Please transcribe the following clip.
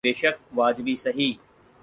بیشک واجبی سہی۔